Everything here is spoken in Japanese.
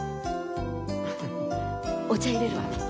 お茶いれるわ。